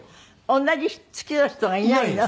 同じ月の人がいないの？